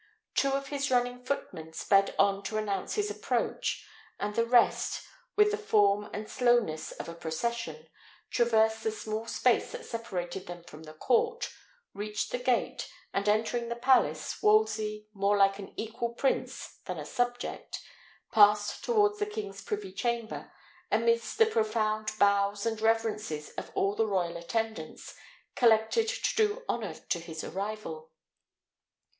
Two of his running footmen sped on to announce his approach, and the rest, with the form and slowness of a procession, traversed the small space that separated them from the court, reached the gate, and entering the palace, Wolsey, more like an equal prince than a subject, passed towards the king's privy chamber, amidst the profound bows and reverences of all the royal attendants, collected to do honour to his arrival.